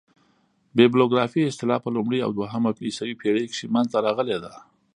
بیبلوګرافي اصطلاح په لومړۍ او دوهمه عیسوي پېړۍ کښي منځ ته راغلې ده.